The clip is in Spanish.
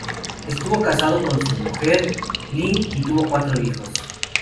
Estuvo casado con su mujer, Lynn, y tuvo cuatro hijos.